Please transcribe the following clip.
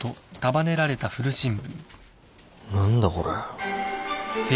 何だこれ。